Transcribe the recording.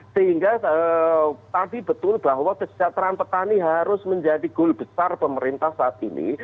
sehingga tadi betul bahwa kesejahteraan petani harus menjadi goal besar pemerintah saat ini